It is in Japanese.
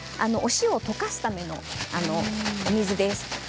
お塩を溶かすためのお水です。